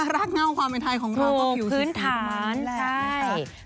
คือว่ารากเน่าความเป็นไทยของเราก็ผิวสิบสิบมันแหละ